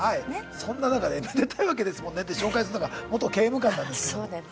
そんな中でめでたいわけですもんねって紹介するのが「元刑務官」なんですけども。